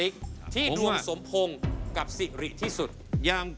คุณฟังผมแป๊บนึงนะครับ